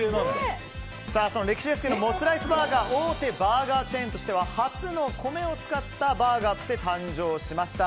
歴史ですが、モスライスバーガー大手バーガーチェーンとしては初の米を使ったバーガーとして誕生しました。